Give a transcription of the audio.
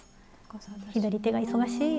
左手が忙しい。